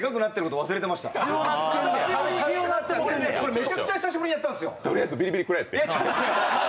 めちゃくちゃ久しぶりにやったんですよ